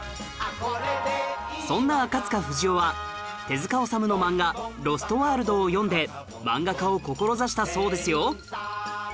そんな赤塚不二夫は手治虫の漫画『ロストワールド』を読んで漫画家を志したそうですよ